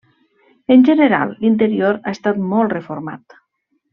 En general, l'interior ha estat molt reformat.